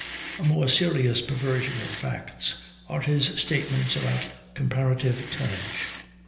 A more serious perversion of facts are his statements about comparative tonnage.